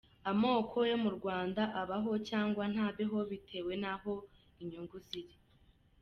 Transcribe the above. Amoko yo mu Rwanda abaho, cyangwa ntabeho bitewe n’aho inyungu ziri.